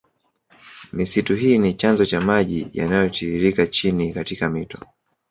Misitu hii ni chanzo cha maji yanayotiririke chini katika mito